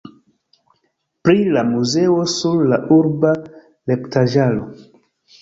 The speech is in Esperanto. Pri la muzeo sur la urba retpaĝaro.